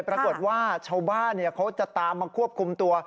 ปรากฏว่าชาวบ้านเขาจะตามมาควบคุมตัว